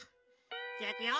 じゃいくよ。